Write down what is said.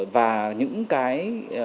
và những cái